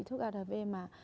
thuốc arv mà